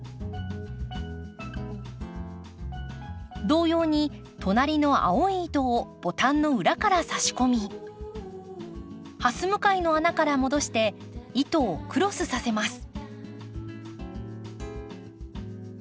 同様に隣の青い糸をボタンの裏から差し込みはす向かいの穴から戻して糸をクロスさせます。